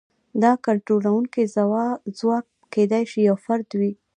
دا کنټرولونکی ځواک کېدای شي یو فرد وي.